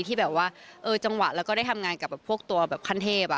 ที่แบบว่าจังหวะแล้วก็ได้ทำงานกับพวกตัวแบบขั้นเทพ